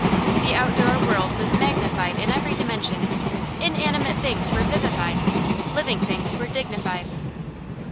The outdoor world was magnified in every dimension; inanimate things were vivified; living things were dignified.